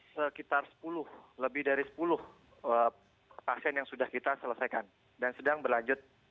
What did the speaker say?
sekitar sepuluh lebih dari sepuluh pasien yang sudah kita selesaikan dan sedang berlanjut